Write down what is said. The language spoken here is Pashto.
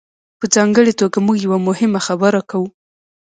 په ځانګړې توګه موږ یوه مهمه خبره کوو.